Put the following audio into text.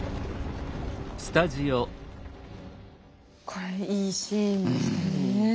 これいいシーンでしたねえ